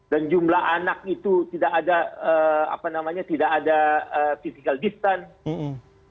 dan jumlah anak itu tidak ada apa namanya tidak ada physical distance